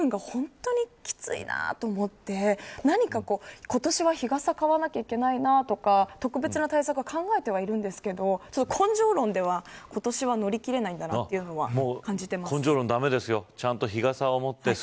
駅までの１０分が本当にきついなと思って何か、今年は日傘を買わないといけないなとか特別な対策は考えてはいるんですけど根性論では今年は乗り切れないんだなというのを感じています。